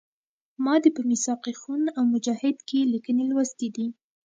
ما دې په میثاق خون او مجاهد کې لیکنې لوستي دي.